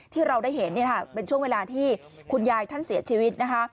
ที่เราได้เห็นเป็นช่วงเวลาที่คุณยายท่านเสียชีวิตนะคะ